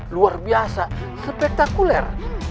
luar biasa spektakuler